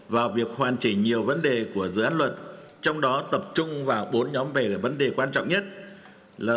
vào việc hoàn chỉnh nhiều vấn đề của dự án luật trong đó tập trung vào bốn nhóm về là vấn đề quan trọng nhất là